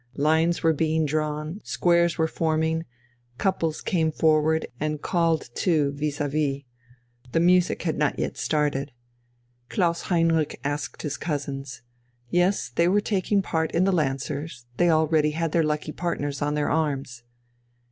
Lines were being drawn, squares were forming, couples came forward and called to vis à vis. The music had not yet started. Klaus Heinrich asked his cousins. Yes, they were taking part in the lancers, they already had their lucky partners on their arms.